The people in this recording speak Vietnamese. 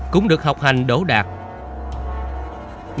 cũng được học hành đối với những người đàn ông